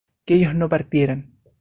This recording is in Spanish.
que ellos no partieran